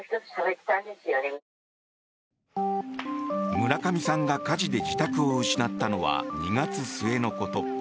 村上さんが火事で自宅を失ったのは２月末のこと。